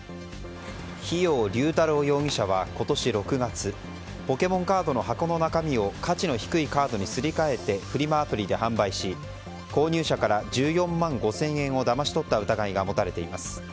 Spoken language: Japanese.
日用竜太郎容疑者は今年６月ポケモンカードの箱の中身を価値の低いカードにすり替えてフリマアプリで販売し購入者から１４万５０００円をだまし取った疑いが持たれています。